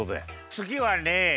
つぎはね